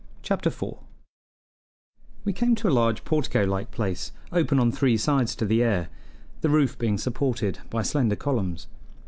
Chapter 4 We came to a large portico like place open on three sides to the air, the roof being supported by slender columns.